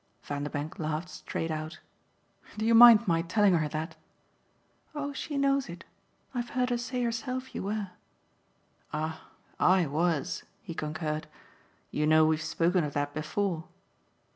Vanderbank laughed straight out. "Do you mind my telling her that?" "Oh she knows it. I've heard her say herself you were." "Ah I was," he concurred. "You know we've spoken of that before."